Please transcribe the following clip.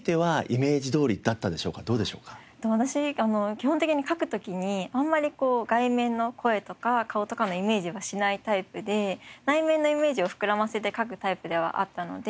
基本的に書く時にあんまり外面の声とか顔とかのイメージがしないタイプで内面のイメージを膨らませて書くタイプではあったので。